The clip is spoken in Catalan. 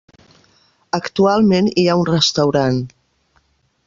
Actualment, hi ha un restaurant.